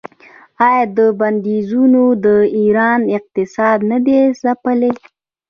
آیا بندیزونو د ایران اقتصاد نه دی ځپلی؟